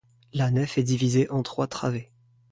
La nef est divisée en trois travées.